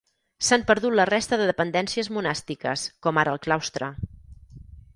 S'han perdut la resta de dependències monàstiques, com ara el claustre.